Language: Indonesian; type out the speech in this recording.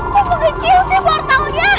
kok mau kecil sih portalnya